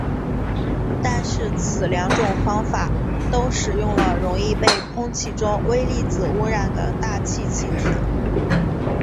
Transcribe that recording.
但是此两种方法都使用了容易被空气中微粒子污染的大气气体。